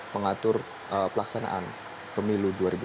pengatur pelaksanaan pemilu dua ribu sembilan belas